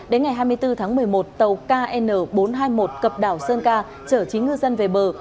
đến ngày hai mươi bốn tháng một mươi một tàu kn bốn trăm hai mươi một cập đảo sơn ca chở chín ngư dân về bờ